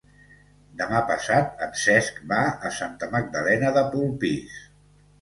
Demà passat en Cesc va a Santa Magdalena de Polpís.